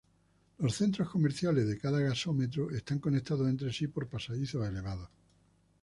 Los centros comerciales de cada gasómetro están conectados entre sí por pasadizos elevados.